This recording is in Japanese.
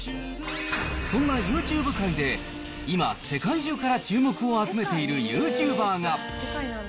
そんなユーチューブ界で、今、世界中から注目を集めているユーチューバーが。